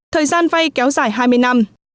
thời gian vay kéo dài hai mươi năm